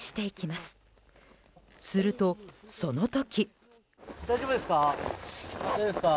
すると、その時。